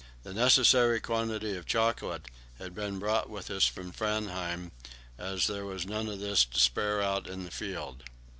The necessary quantity of chocolate had been brought with us from Framheim, as there was none of this to spare out in the field.